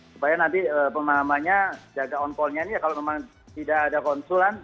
supaya nanti pemahamannya jaga on callnya ini ya kalau memang tidak ada konsulan